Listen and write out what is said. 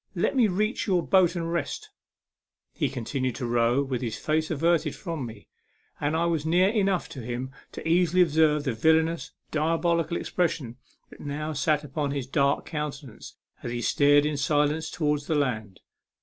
Let me reach your boat and rest I " He continued to row, with his face averted from me, and I was near enough to him to easily observe the villainous, diabolical ex pression that now sat upon his dark counte nance as he stared in silence towards the land.